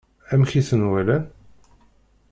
Amek i ten-walan?